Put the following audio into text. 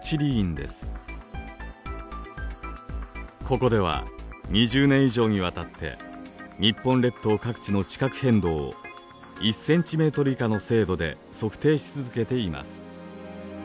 ここでは２０年以上にわたって日本列島各地の地殻変動を１ｃｍ以下の精度で測定し続けています。